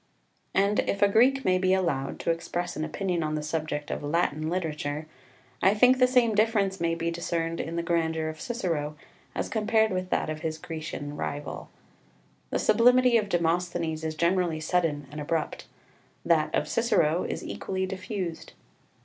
4 And, if a Greek may be allowed to express an opinion on the subject of Latin literature, I think the same difference may be discerned in the grandeur of Cicero as compared with that of his Grecian rival. The sublimity of Demosthenes is generally sudden and abrupt: that of Cicero is equally diffused.